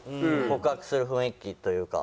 告白する雰囲気というか。